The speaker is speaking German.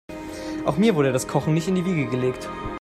Auch mir wurde das Kochen nicht in die Wiege gelegt.